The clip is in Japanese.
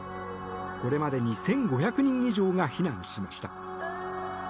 これまでに１５００人以上が避難しました。